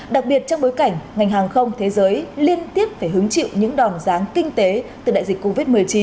đặc biệt trong bối cảnh ngành hàng không thế giới liên tiếp phải hứng chịu những đòn ráng kinh tế từ đại dịch covid một mươi chín